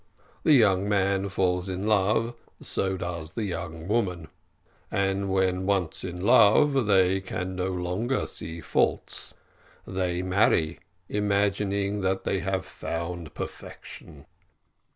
The young man falls in love, so does the young woman; and when once in love, they can no longer see faults; they marry, imagining that they have found perfection.